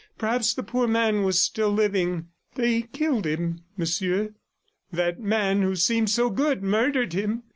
Perhaps the poor man was still living. ... "They killed him, Monsieur. That man who seemed so good murdered him.